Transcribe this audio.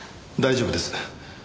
大丈夫です。